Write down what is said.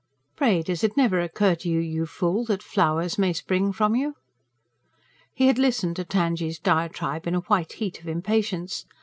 "Pray, does it never occur to you, you fool, that FLOWERS may spring from you?" He had listened to Tangye's diatribe in a white heat of impatience.